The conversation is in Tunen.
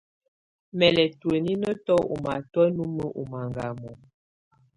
Mɛ̀ lɛ̀ tuǝ́nǝ́tù ù matɔ̀á numǝ́ ù mangamɔ̀.